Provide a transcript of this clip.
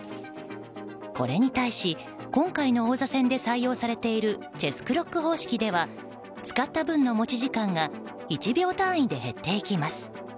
これに対し、今回の王座戦で採用されているチェスクロック方式では使った分の持ち時間が１秒単位で減っていきます。